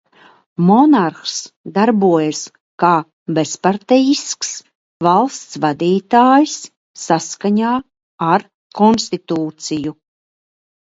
Monarhs darbojas kā bezpartejisks valsts vadītājs saskaņā ar konstitūciju.